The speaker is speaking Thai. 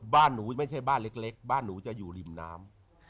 บ้านหนูไม่ใช่บ้านเล็กบ้านหนูจะอยู่ริมน้ำ